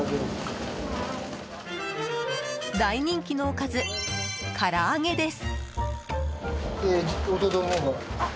大人気のおかず、から揚げです。